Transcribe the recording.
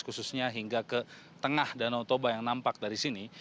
khususnya hingga ke tengah danau toba yang nampak dari sini